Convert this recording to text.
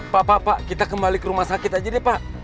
pak pak pak kita kembali ke rumah sakit aja deh pak